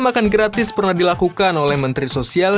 makan gratis pernah dilakukan oleh menteri sosial